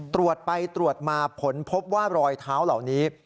ตรวจไปตรวจมาผลพบว่ารอยเท้าเหล่านี้